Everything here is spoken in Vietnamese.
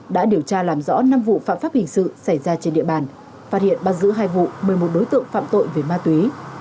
đã điều tra làm rõ năm vụ phạm pháp hình sự xảy ra trên địa bàn phát hiện bắt giữ hai vụ một mươi một đối tượng phạm tội về ma túy